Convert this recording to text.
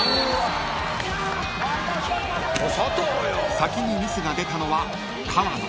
［先にミスが出たのは川野］